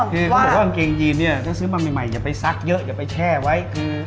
แช่ว่าเกงจีนก็ซื้อมาใหม่อย่าไปซักเยอะอย่าไปแช่ไว้